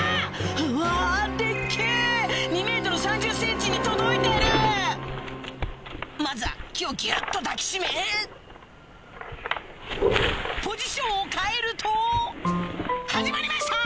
うわデッケェ２ｍ３０ｃｍに届いてるまずは木をぎゅっと抱き締めポジションを変えると始まりました！